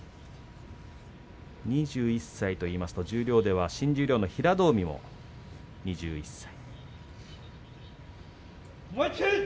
２１歳といいますと十両では新十両の平戸海も２１歳。